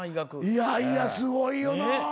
いやいやすごいよな。